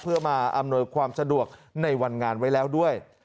เพื่อมาอำนวยความสะดวกในวันงานไว้แล้วด้วย